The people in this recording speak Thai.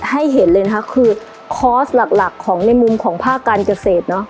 ให้เห็นเลยนะคะคือคอร์สหลักหลักของในมุมของภาคการเกษตรเนอะ